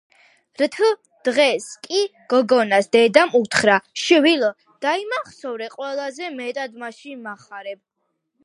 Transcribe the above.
რთ დღეს კი გოგონას დედამ უთხრა: _ შვილო, დაიმახსოვრე ყველაზე მეტად მაშინ მახარებ